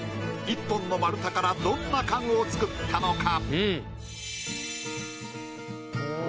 １本の丸太からどんな家具を作ったのか？